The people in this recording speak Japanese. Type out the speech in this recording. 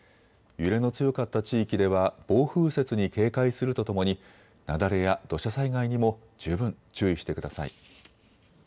揺れの強かった地域では暴風雪に警戒するとともに雪崩や土砂災害にも十分、注意してください。